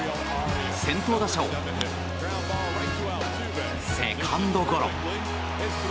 先頭打者をセカンドゴロ。